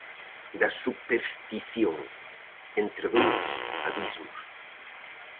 Da superstición: Entre dous abismos.